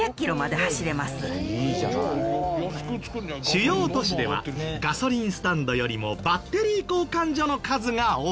主要都市ではガソリンスタンドよりもバッテリー交換所の数が多いそう。